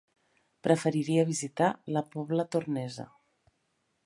Preferiria visitar la Pobla Tornesa.